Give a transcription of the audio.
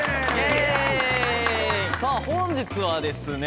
さあ本日はですね